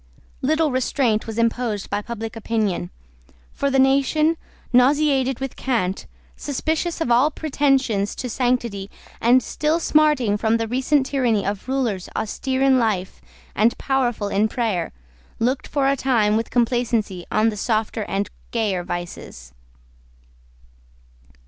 Little restraint was imposed by public opinion. For the nation, nauseated with cant, suspicious of all pretensions to sanctity and still smarting from the recent tyranny of rulers austere in life and powerful in prayer, looked for a time with complacency on the softer and gayer vices.